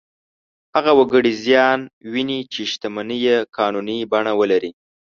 هغه وګړي زیان ویني چې شتمنۍ یې قانوني بڼه ولري.